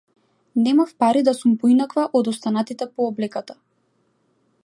Немав пари да сум поинаква од останатите по облеката.